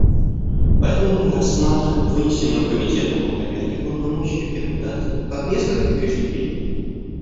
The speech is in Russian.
Поэтому мы рассматриваем вынесенную Комитетом по проверке полномочий рекомендацию как несколько преждевременную.